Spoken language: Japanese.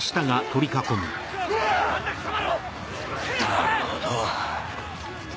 なるほど。